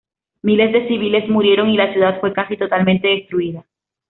Miles de civiles murieron y la ciudad fue casi totalmente destruida.